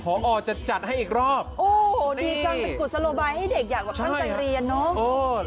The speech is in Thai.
อยากจะมอบความสุขให้พอบอนบอกว่าก่อนอันนี้เด็กช่วยเหลือกิจกรรมของโรงเรียนมันหนักหน่วง